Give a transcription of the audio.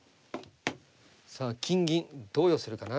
さあ金銀どう寄せるかな。